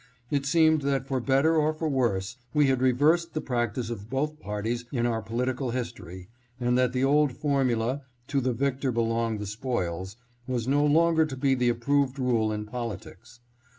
It seemed that for better or for worse we had reversed the practice of both parties in our political history, and that the old formula, " To the victor belong the spoils," was no longer to be the approved rule in politics.